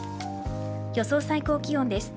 予想最高気温です。